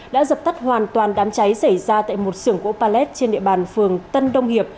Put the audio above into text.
đã dập tắt hoàn toàn đám cháy xảy ra tại một sưởng gỗ pallet trên địa bàn phường tân đông hiệp